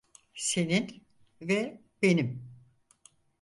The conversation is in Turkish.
Senin ve benim.